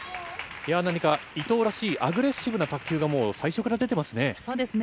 何か伊藤らしいアグレッシブな卓球がもう最初から出てますね。